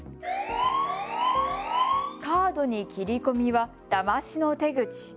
カードに切り込みはだましの手口。